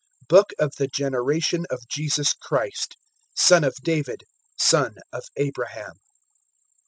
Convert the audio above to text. BOOK of the generation of Jesus Christ, son of David, son of Abraham.